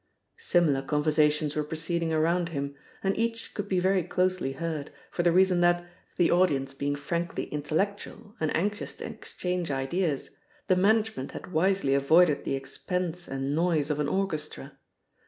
Similar conversations were proceeding around him, and each could be very closely heard, for the reason that, the audience being frankly intellectual and anxious to exchange ideas, the management had wisely avoided the expense and noise of an orchestra.